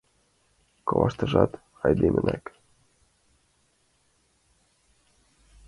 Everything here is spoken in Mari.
Коваштыжат айдемынак.